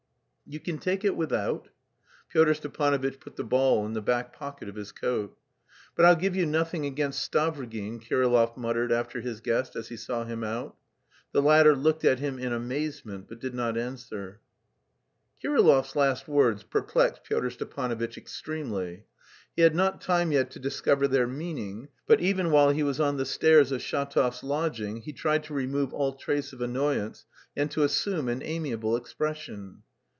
"You can take it without." Pyotr Stepanovitch put the ball in the back pocket of his coat. "But I'll give you nothing against Stavrogin," Kirillov muttered after his guest, as he saw him out. The latter looked at him in amazement but did not answer. Kirillov's last words perplexed Pyotr Stepanovitch extremely; he had not time yet to discover their meaning, but even while he was on the stairs of Shatov's lodging he tried to remove all trace of annoyance and to assume an amiable expression.